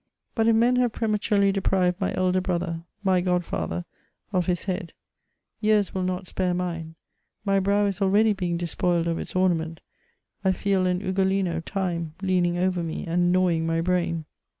But if men have prematurely deprived my elder brother, my god&ther, of his Lad, yeaiiwill not spare mine; my brew is dreadv being despoUed of its ornament; I feel an Ugohno, tune, leaning over me, and gnanring my brwn :—«.,..